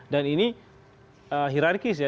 dan ini hirarkis ya